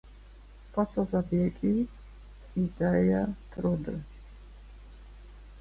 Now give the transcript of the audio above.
"Poco zabiegi, ideje, trudy?"